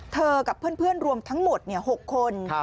กับเพื่อนรวมทั้งหมด๖คน